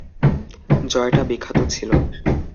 জয়টা বিখ্যাত ছিল।